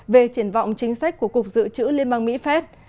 về triển vọng chính sách của cục dự trữ liên bang mỹ phép